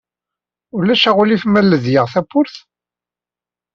Ulac aɣilif ma ledyeɣ tawwurt?